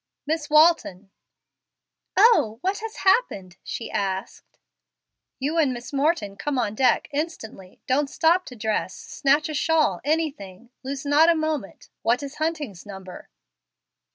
"Miss Walton!" "Oh, what has happened?" she asked. "You and Miss Morton come on deck, instantly; don't stop to dress; snatch a shawl anything. Lose not a moment. What is Hunting's number?"